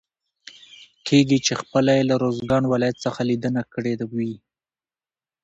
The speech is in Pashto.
کېږي چې خپله يې له روزګان ولايت څخه ليدنه کړي وي.